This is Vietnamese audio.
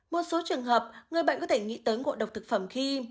một số trường hợp người bệnh có thể nghĩ tới ngộ độc thực phẩm khi